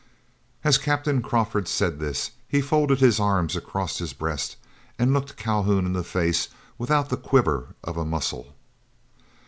As Captain Crawford said this, he folded his arms across his breast and looked Calhoun in the face without the quiver of a muscle.